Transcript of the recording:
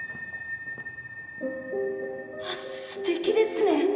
あっすてきですね